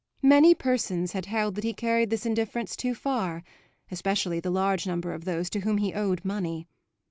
Many persons had held that he carried this indifference too far, especially the large number of those to whom he owed money.